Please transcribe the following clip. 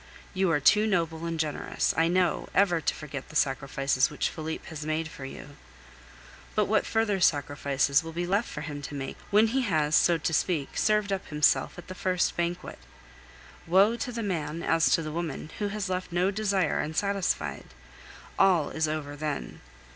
You are too noble and generous, I know, ever to forget the sacrifices which Felipe has made for you; but what further sacrifices will be left for him to make when he has, so to speak, served up himself at the first banquet? Woe to the man, as to the woman, who has left no desire unsatisfied! All is over then.